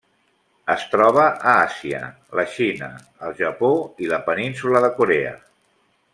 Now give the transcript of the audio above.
Es troba a Àsia: la Xina, el Japó i la Península de Corea.